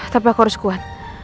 tapi aku harus kuat